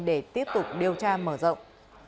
để tiếp tục điều tra mở rộng